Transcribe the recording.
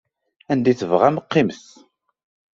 Anda i tebɣam qqimet.